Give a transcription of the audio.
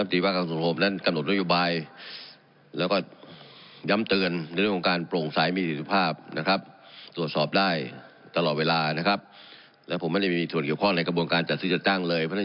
โดยคงควรในกระบวนการจัดซื้อจัดจ้างเลยเพราะฉะนั้นอย่า